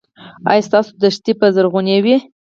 ایا ستاسو دښتې به زرغونې وي؟